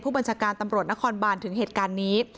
บัญชาการตำรวจนครบานถึงเหตุการณ์นี้